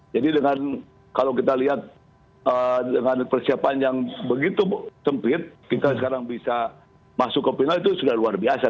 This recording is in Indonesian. jadi kalau kita lihat dengan persiapan yang begitu sempit kita sekarang bisa masuk ke final itu sudah luar biasa